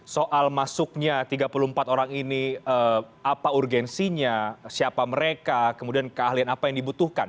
soal masuknya tiga puluh empat orang ini apa urgensinya siapa mereka kemudian keahlian apa yang dibutuhkan